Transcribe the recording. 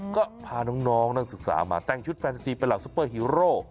ก็พาน้องนักศึกษามาแต่งชุดแฟนซีเป็นเหล่าซุปเปอร์ฮีโร่